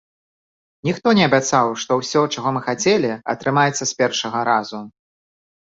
Ніхто не абяцаў, што ўсё, чаго мы хацелі, атрымаецца з першага разу.